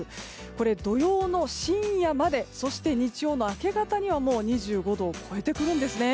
これ、土曜の深夜までそして、日曜の明け方にはもう２５度を超えてくるんですね。